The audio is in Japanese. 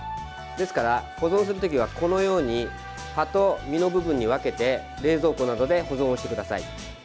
ですから保存する時はこのように葉と身の部分に分けて冷蔵庫などで保存してください。